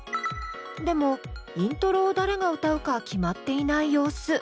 でもイントロを誰が歌うか決まっていない様子。